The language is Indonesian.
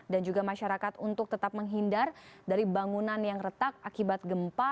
dan juga masyarakat untuk tetap menghindar dari bangunan yang retak akibat gempa